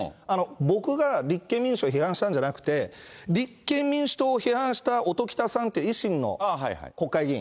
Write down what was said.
僕が立憲民主を批判したんじゃなくて、立憲民主党を批判した音喜多さんって、維新の国会議員。